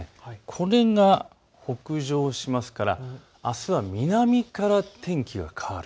これが北上しますからあすは南から天気が変わる。